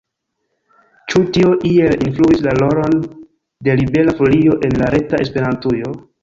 Ĉu tio iel influis la rolon de Libera Folio en la reta Esperantujo?